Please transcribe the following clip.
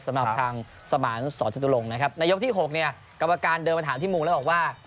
สำหรับทางสมานสรรพจตุรงศ์นะครับในยกที่๖กรับประการเดินมาถามที่มูกแล้วบอกว่า